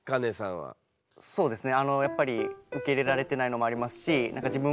そうですね